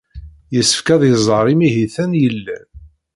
Yessefk ad iẓer imihiten yellan.